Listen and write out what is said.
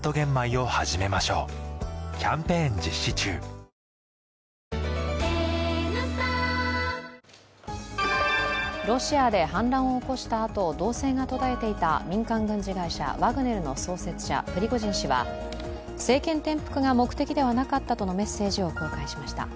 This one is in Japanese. ニトリロシアで反乱を起こしたあと動静が途絶えていた民間軍事会社ワグネルの創設者・プリゴジン氏は、政権転覆が目的ではなかったとのメッセージを公開しました。